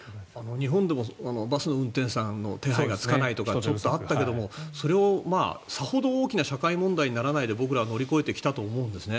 日本でもバスの運転手さんの手配がつかないとかちょっとあったけどもそれをさほど大きな社会問題にならないで僕らは乗り越えてきたと思うんですね。